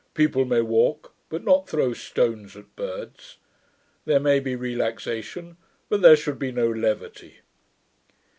People may walk, but not throw stones at birds. There may be relaxation, but there should be no levity.'